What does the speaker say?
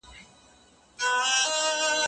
ایا ابن خلدون مو پېژنئ؟